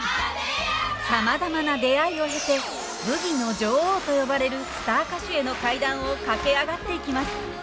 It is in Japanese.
さまざまな出会いを経てブギの女王と呼ばれるスター歌手への階段を駆け上がっていきます。